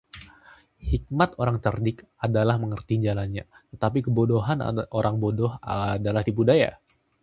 Hikmat orang cerdik adalah mengerti jalannya, tetapi kebodohan orang bodoh adalah tipu daya.